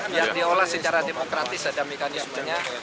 biar diolah secara demokratis ada mekanismenya